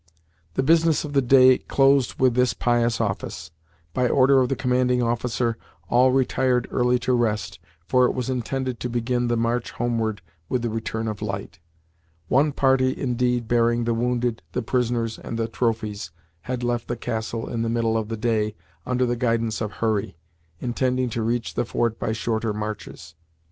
The business of the day closed with this pious office. By order of the commanding officer, all retired early to rest, for it was intended to begin the march homeward with the return of light. One party, indeed, bearing the wounded, the prisoners, and the trophies, had left the castle in the middle of the day under the guidance of Hurry, intending to reach the fort by shorter marches.